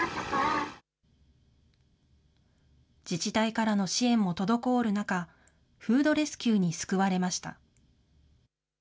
自治体からの支援も滞る中、フードレスキューに救われました。